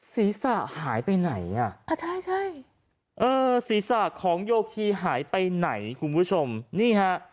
ศีรษะหายไปไหนอ่ะใช่ใช่เออศีรษะของโยคีหายไปไหนคุณผู้ชมนี่ฮะ